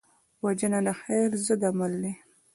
وژنه د خیر ضد عمل دی